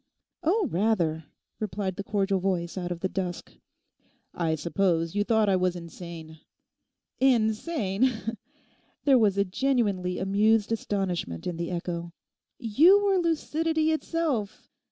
'Oh, rather,' replied the cordial voice out of the dusk. 'I suppose you thought I was insane?' 'Insane!' There was a genuinely amused astonishment in the echo. 'You were lucidity itself.